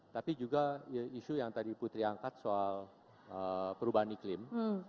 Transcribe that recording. tapi juga isu yang tadi putri angkat soal perubahan iklim